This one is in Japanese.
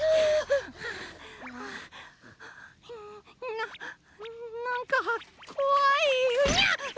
ななんかこわいフニャ！